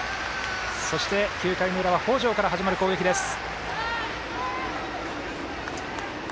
そして、９回の裏は北條から始まる攻撃です。